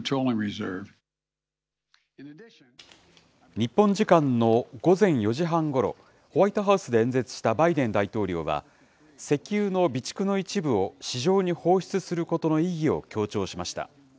日本時間の午前４時半ごろ、ホワイトハウスで演説したバイデン大統領は、石油の備蓄の一部を市場に放出することの意義を強調しました。